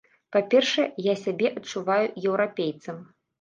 Па-першае, я сябе адчуваю еўрапейцам.